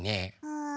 うん？